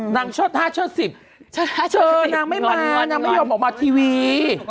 นางชดห้าชดสิบชดห้าชดสิบเดินง่อนอย่างนี้ออกมาทีวี